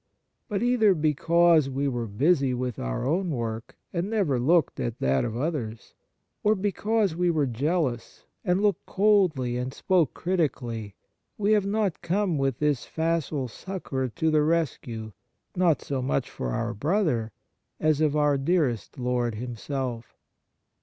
But either because we were busy with our own work, and never looked at that of others, or because we were jealous, and looked coldly and spoke critically, we have not come with this facile succour to the rescue, not so much of our brother, as of our dearest Lord Himself!